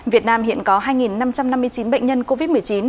việt nam hiện có hai năm trăm năm mươi chín bệnh nhân covid một mươi chín